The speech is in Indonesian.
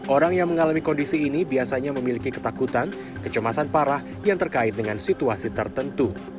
orang yang mengalami kondisi ini biasanya memiliki ketakutan kecemasan parah yang terkait dengan situasi tertentu